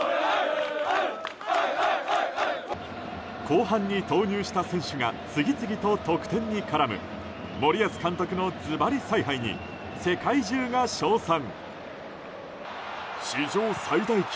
後半に投入した選手が次々と得点に絡む森保監督のズバリ采配に世界中が称賛。